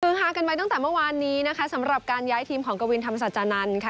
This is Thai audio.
ภูมิค้ากันไปตั้งแต่เมื่อวานนี้สำหรับการย้ายทีมของกวินธรรมสัจจานันท์